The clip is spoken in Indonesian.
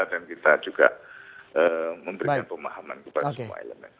dan kita juga memberikan pemahaman kepada semua elemen